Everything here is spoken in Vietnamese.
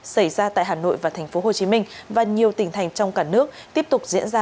xảy ra tại hà nội và thành phố hồ chí minh và nhiều tình thành trong cả nước tiếp tục diễn ra